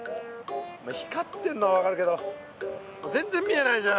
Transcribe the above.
光ってんのは分かるけど全然見えないじゃん！